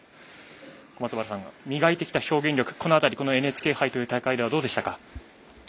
小松原さん、磨いてきた表現力その辺りはＮＨＫ杯ではどうでしたか。